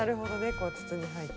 こう筒に入って。